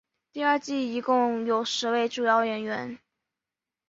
第二季一共有十位主要演员。